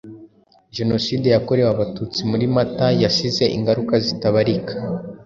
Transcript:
Jenoside Yakorewe Abatutsi muri Mata yasize ingaruka zitabarika.